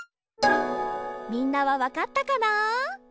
みんなはわかったかな？